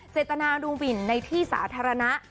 เศรษฐนารุ่งหวินในที่สาธารณะ